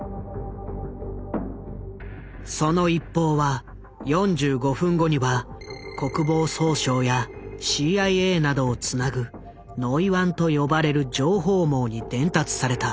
その一報は４５分後には国防総省やＣＩＡなどをつなぐ「ノイワン」と呼ばれる情報網に伝達された。